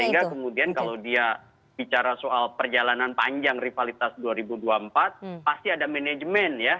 sehingga kemudian kalau dia bicara soal perjalanan panjang rivalitas dua ribu dua puluh empat pasti ada manajemen ya